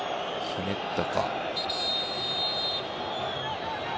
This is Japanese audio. ひねったか。